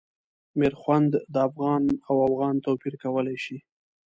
میرخوند د افغان او اوغان توپیر کولای شي.